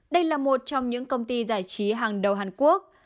đây là một trong những công ty giải trí hàng đầu hàn quốc